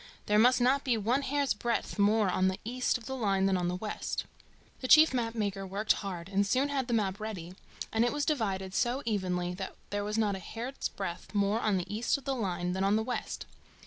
There must not be one hair's breadth more on the east of the line than on the west." The chief map maker worked hard, and soon had the map ready, and it was divided so evenly that there was not a hair's breadth more on the east of the line than on the west.